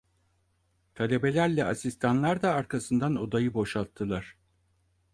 Talebelerle asistanlar da arkasından odayı boşalttılar.